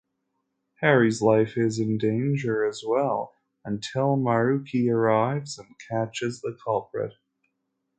Harry's life is in danger as well until Marucci arrives and catches the culprit.